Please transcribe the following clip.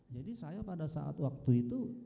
jadi saya pada saat waktu itu